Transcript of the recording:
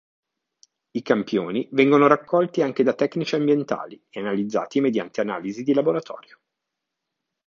I campioni vengono raccolti anche da tecnici ambientali e analizzati mediante analisi di laboratorio.